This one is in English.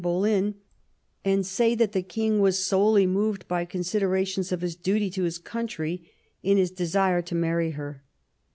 Boleyn, and say that the king was solely moved by con siderations of his duty to his country in his desire to marry her.